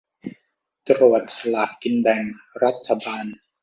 ตรวจสลากกินแบ่งรัฐบาล